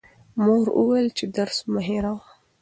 مور وویل چې درس مه هېروه.